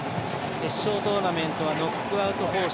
決勝トーナメントはノックアウト方式。